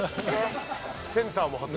センターも張ってます？